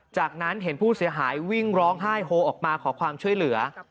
จากนั้นเห็นผู้เสียหายวิ่งร้องไห้โฮออกมาขอความช่วยเหลือ